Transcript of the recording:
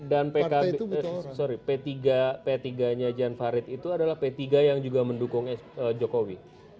p tiga nya jan farid itu adalah p tiga yang juga mendukung jokowi